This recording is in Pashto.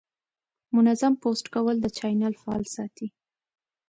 منظم پوسټ کول د چینل فعال ساتي.